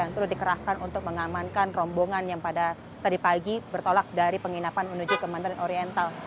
yang terus dikerahkan untuk mengamankan rombongan yang pada tadi pagi bertolak dari penginapan menuju ke mandarin oriental